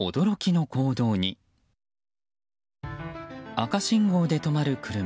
赤信号で止まる車。